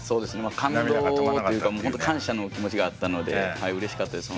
感動というか本当に感謝の気持ちがあったのでうれしかったですね。